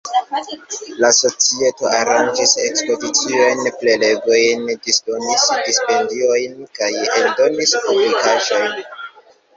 La societo aranĝis ekspoziciojn, prelegojn, disdonis stipendiojn kaj eldonis publikaĵojn.